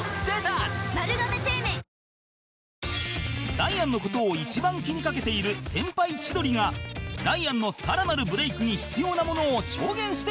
ダイアンの事を一番気にかけている先輩千鳥がダイアンのさらなるブレイクに必要なものを証言してくれた